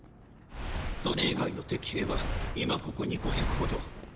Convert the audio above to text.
それ以外の敵兵は今ここに５００ほど。